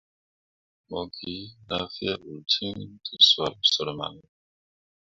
Mo ge na fyee uul ciŋ tǝsoole sər mana.